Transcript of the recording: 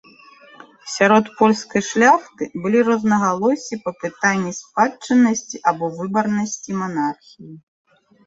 Сярод польскай шляхты былі рознагалоссі па пытанні спадчыннасці або выбарнасці манархіі.